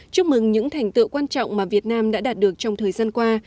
chúc mừng những thành tựu quan trọng mà việt nam đã đạt được trong thời gian qua